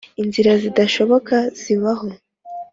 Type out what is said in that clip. inzira zidashoboka zibaho!